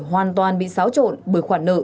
hoàn toàn bị xáo trộn bởi khoản nợ